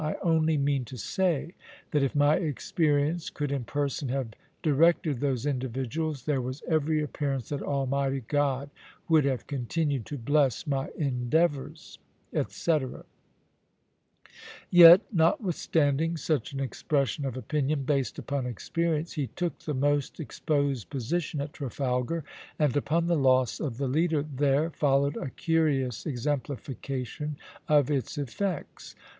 I only mean to say that if my experience could in person have directed those individuals, there was every appearance that Almighty God would have continued to bless my endeavors," etc. Yet, notwithstanding such an expression of opinion based upon experience, he took the most exposed position at Trafalgar, and upon the loss of the leader there followed a curious exemplification of its effects.